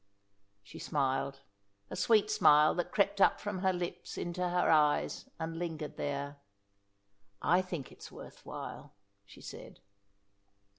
She smiled, a sweet smile that crept up from her lips into her eyes, and lingered there. "I think it is worth while," she said.